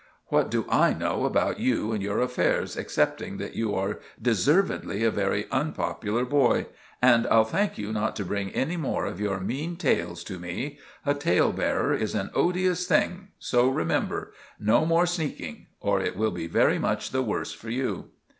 What do I know about you and your affairs, excepting that you are deservedly a very unpopular boy! And I'll thank you not to bring any more of your mean tales to me. A tale bearer is an odious thing; so remember; no more sneaking, or it will be very much the worse for you!"